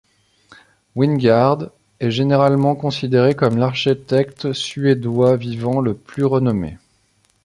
Wingårdh est généralement considéré comme l'architecte suédois vivant le plus renommé.